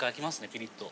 ピリッと。